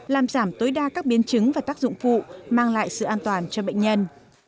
làm giảm tối đa các biến chứng và tác dụng phụ mang lại sự an toàn cho bệnh nhân